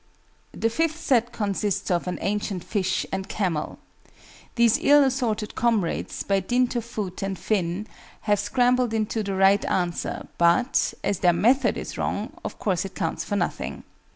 The fifth set consist of AN ANCIENT FISH and CAMEL. These ill assorted comrades, by dint of foot and fin, have scrambled into the right answer, but, as their method is wrong, of course it counts for nothing.